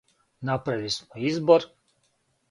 Направили смо избор.